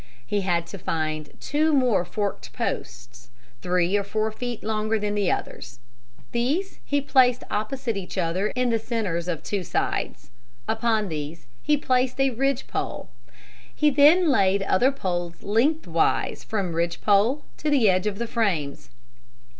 He had to find two more forked posts, three or four feet longer than the others. These he placed opposite each other in the centers of two sides. Upon these he placed a ridge pole. He then laid other poles lengthwise from ridge pole to the edge of the frames.